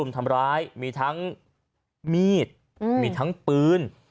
ทำร้ายมีทั้งมีดมีทั้งปืน